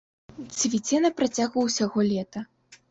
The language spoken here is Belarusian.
Цвіце на працягу ўсяго лета.